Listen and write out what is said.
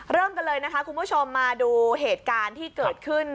เริ่มกันเลยนะคะคุณผู้ชมมาดูเหตุการณ์ที่เกิดขึ้น